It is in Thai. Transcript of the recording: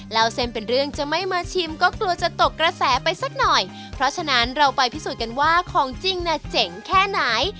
เล่าเส้นเป็นเรื่องจะไม่มาชิมก็กลัวจะตกกระแสไปสักหน่อยเพราะฉะนั้นเราไปพิสูจน์กันว่าของจริงน่ะเจ๋งแค่ไหน